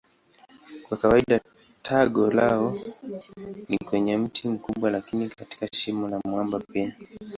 Kwa kawaida tago lao ni kwenye mti mkubwa lakini katika shimo la mwamba pia.